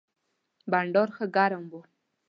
بانډار ښه ګرم و.